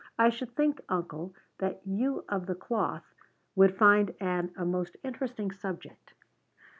I should think, uncle, that you of the cloth would find Ann a most interesting subject.